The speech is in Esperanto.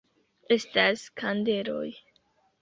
Estas kandeloj!